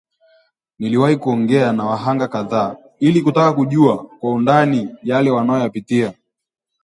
Niliwahi kuongea na wahanga kadhaa ili kutaka kujua kwa undani yale wanayopitia